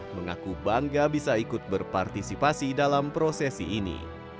mengaku bangga bisa ikut berpartisipasi dalam prosesi ini